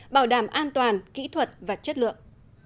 bảo đảm an toàn kỹ thuật và chất lượng